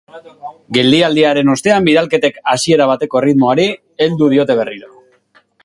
Geldialdiaren ostean, bidalketek hasiera bateko erritmoari heldu diote berriro.